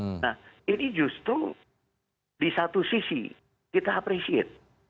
nah ini justru di satu sisi kita appreciate